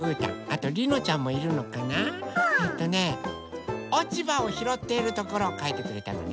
えとねおちばをひろっているところをかいてくれたのね。